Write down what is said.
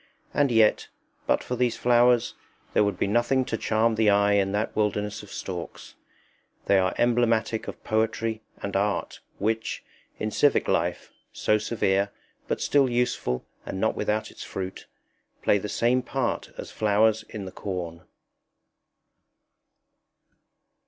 And yet, but for these flowers, there would be nothing to charm the eye in that wilderness of stalks. They are emblematic of poetry and art, which, in civic life so severe, but still useful and not without its fruit play the same part as flowers in the corn.